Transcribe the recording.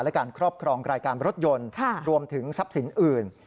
และการครอบครองรายการรถยนต์รวมถึงทรัพย์สินอื่น